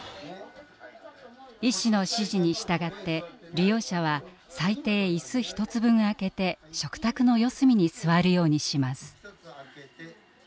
医師の指示に従って利用者は最低椅子１つ分あけて食卓の四隅に座るようにします。